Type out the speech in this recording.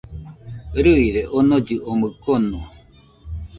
Rɨire onollɨ omɨ kono